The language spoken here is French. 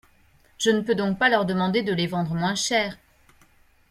Je ne peux donc pas leur demander de les vendre moins chers.